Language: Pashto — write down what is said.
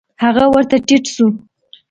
هغه ورته ټيټ سو.